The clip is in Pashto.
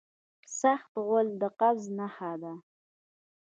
سخت غول د قبض نښه ده.